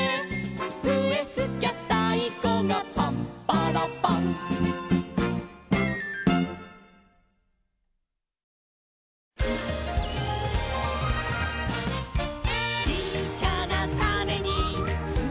「ふえふきゃたいこがパンパラパン」「ちっちゃなタネにつまってるんだ」